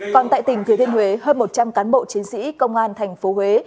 còn tại tỉnh thừa thiên huế hơn một trăm linh cán bộ chiến sĩ công an thành phố huế